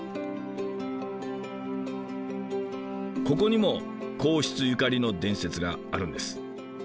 ここにも皇室ゆかりの伝説があるんです。